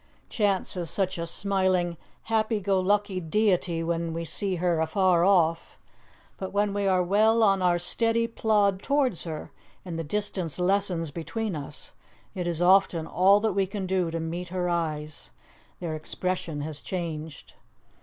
Chance is such a smiling, happy go lucky deity when we see her afar off; but when we are well on our steady plod towards her, and the distance lessens between us, it is often all that we can do to meet her eyes their expression has changed.